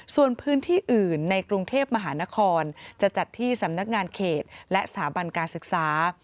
ส่วนพื้นที่อื่นในกรุงเทพมหานครจะจัดที่สำนักงานเขตและสถาบันการศึกษา